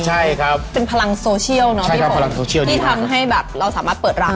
ใช่ครับเป็นพลังโซเชียลเนาะพี่ฝนพลังโซเชียลที่ทำให้แบบเราสามารถเปิดร้าน